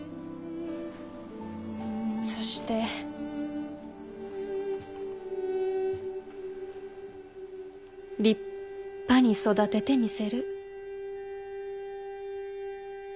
そして立派に育ててみせる。